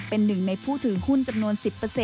เป็นหนึ่งในผู้ถือหุ้นจำนวน๑๐